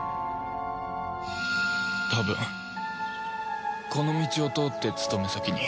多分この道を通って勤め先に